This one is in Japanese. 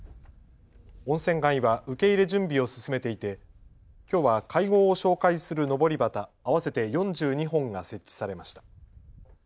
温泉街は受け入れ準備を進めていて、きょうは会合を紹介するのぼり旗合わせて４２本が設置されました。